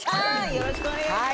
よろしくお願いします。